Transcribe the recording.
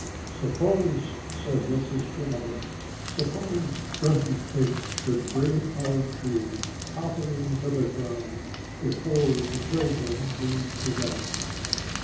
"Suppose " said Mrs. Robin "suppose Grunty Pig should bring our tree toppling to the ground before the children leave the nest!"